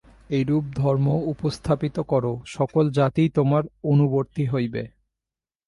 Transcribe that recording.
এইরূপ ধর্ম উপস্থাপিত কর, সকল জাতিই তোমার অনুবর্তী হইবে।